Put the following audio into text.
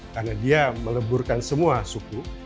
karena dia meleburkan semua suku